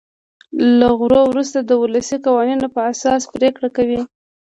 له غور وروسته د ولسي قوانینو په اساس پرېکړه کوي.